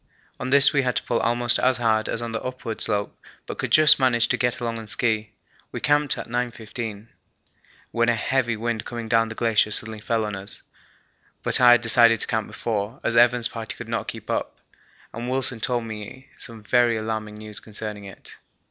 On this we had to pull almost as hard as on the upward slope, but could just manage to get along on ski. We camped at 9.15, when a heavy wind coming down the glacier suddenly fell on us; but I had decided to camp before, as Evans' party could not keep up, and Wilson told me some very alarming news concerning it.